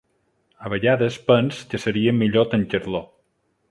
A vegades penso que seria millor tancar-lo.